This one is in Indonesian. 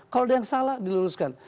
kalau ada yang salah diluruskan